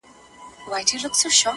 که په سېلونو توتکۍ وتلي،